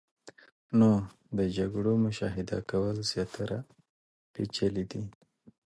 نو د جګړو مشاهده کېدل زیاتره پیچلې دي.